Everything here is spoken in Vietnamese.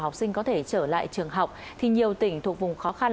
học sinh có thể trở lại trường học thì nhiều tỉnh thuộc vùng khó khăn